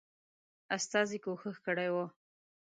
استازي کوښښ کړی وو.